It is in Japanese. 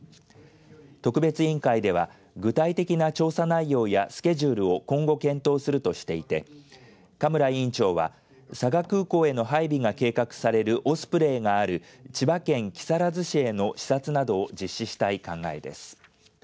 特別委員会では具体的な調査内容やスケジュールを今後検討するとしていて嘉村委員長は佐賀空港への配備が計画されるオスプレイがある千葉県木更津市への視察などを実施したい考えです。